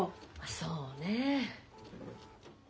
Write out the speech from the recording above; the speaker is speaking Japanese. そうねえ。